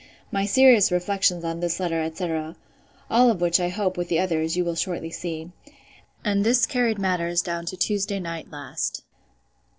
My serious reflections on this letter, etc.' (all which, I hope, with the others, you will shortly see.) And this carried matters down to Tuesday night last.